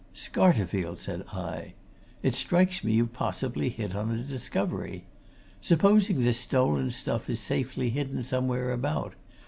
"Scarterfield!" said I. "It strikes me you've possibly hit on a discovery. Supposing this stolen stuff is safely hidden somewhere about?